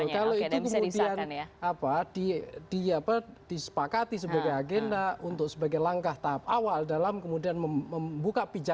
kalau itu kemudian apa di apa disepakati sebagai agenda untuk sebagai langkah tahap awal dalam kemudian membuka pijakan baru